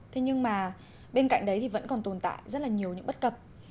thế nhưng mà bên cạnh đấy thì vẫn còn tồn tại rất là nhiều những bất cập